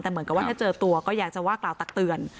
แต่เหมือนกับว่าถ้าเจอตัวก็อยากจะว่ากล่าวตักเตือน